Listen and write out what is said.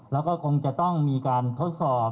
แล้วก็คงจะต้องมีการทดสอบ